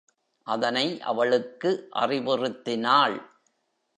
அதனை அவளுக்கு அறிவுறுத்தினாள்.